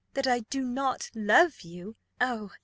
That I do not love you! Oh!